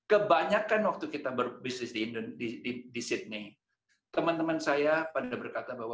kebanyakan waktu kita berbisnis di indonesia di sydney teman teman saya pada berkata bahwa